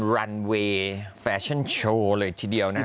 รันเวย์แฟชั่นโชว์เลยทีเดียวนะฮะ